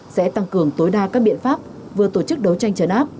sẽ tăng cường tối đa các biện pháp vừa tổ chức đấu tranh chấn áp